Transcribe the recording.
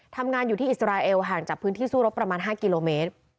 ทำงานอยู่ที่อิสราเอลห่างจากพื้นที่สู้รบประมาณ๕กิโลเมตร